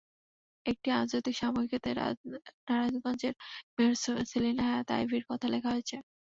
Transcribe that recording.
একটি আন্তর্জাতিক সাময়িকীতে নারায়ণগঞ্জের মেয়র সেলিনা হায়াৎ আইভীর কথা লেখা হয়েছে।